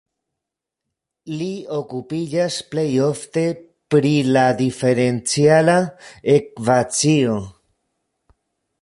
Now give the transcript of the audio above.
Li okupiĝas plej ofte pri la diferenciala ekvacio.